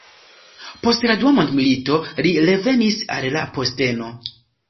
Post la Dua Mondmilito li revenis al la posteno.